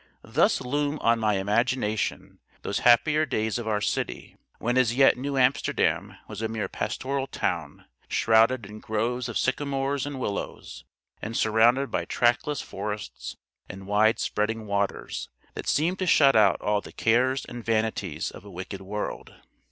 Thus loom on my imagination those happier days of our city, when as yet New Amsterdam was a mere pastoral town, shrouded in groves of sycamores and willows, and surrounded by trackless forests and wide spreading waters, that seemed to shut out all the cares and vanities of a wicked world.